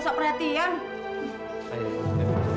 gak mau ibu ella jahat